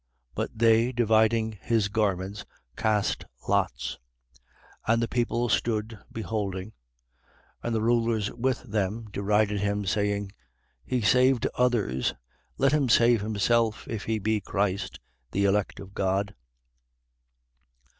But they, dividing his garments, cast lots. 23:35. And the people stood beholding. And the rulers with them derided him, saying: He saved others: let him save himself, if he be Christ, the elect of God.